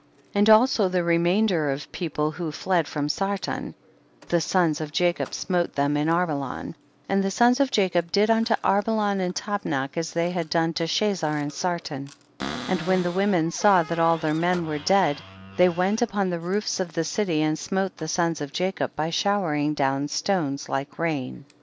1 1 . And also the remainder of the people who had fled from Sarton, the sons of Jacob smote them in Arbe lan, and the sons of Jacob did unto Arbelan and Tapnach as they had done to Chazar and Sarton, and when the women saw that all their men were dead, they went upon the roofs of the city and smote the sons of Ja cob by showering down stones like lain.